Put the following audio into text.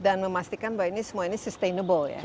dan memastikan bahwa ini semua ini sustainable ya